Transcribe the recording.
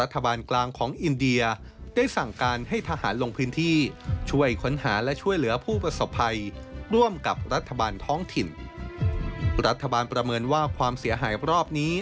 ท้องถิ่นรัฐบาลประเมินว่าความเสียหายรอบนี้